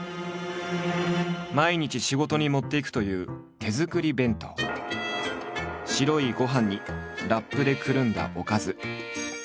毎日仕事に持っていくという白いご飯にラップでくるんだおかず。